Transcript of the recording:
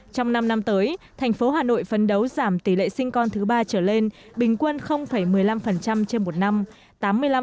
trong năm năm tới thành phố hà nội phấn đấu giảm tỷ lệ sinh con thứ ba trở lên bình quân một mươi năm trên một năm